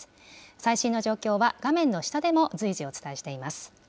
最新の状況は、画面の下でも随時、お伝えしています。